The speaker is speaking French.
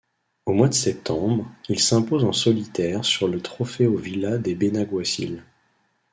Au mois de septembre, il s'impose en solitaire sur le Trofeo Vila de Benaguasil.